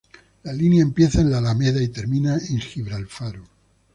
La línea empieza en la Alameda, y termina en Gibralfaro.